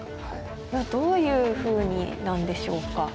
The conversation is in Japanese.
どういうふうになんでしょうか？